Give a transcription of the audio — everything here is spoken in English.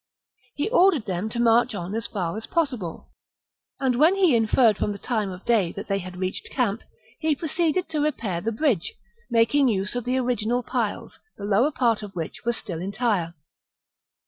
He ordered them to march on as far as possible ; and when he inferred from the time of day that they had reached camp, he proceeded to repair the bridge, making use of the original piles, the lower part of which was still entire.